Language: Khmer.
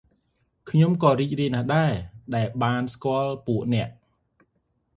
ខ្ញុំក៏រីករាយណាស់ដែរ ដែលបានស្គាល់ពួកអ្នក ។